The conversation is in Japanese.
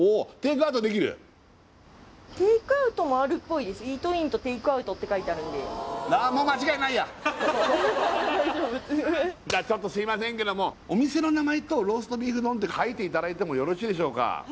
イートインとテイクアウトって書いてあるんでじゃちょっとすいませんけどもお店の名前とローストビーフ丼って書いていただいてもよろしいでしょうか